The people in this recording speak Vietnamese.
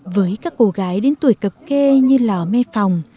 với các cô gái đến tuổi cập kê như lò mê phòng